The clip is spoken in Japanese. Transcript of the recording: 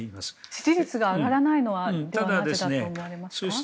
支持率が上がらないのはなぜだと思われますか？